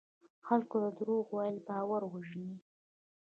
خلکو ته دروغ ویل باور وژني.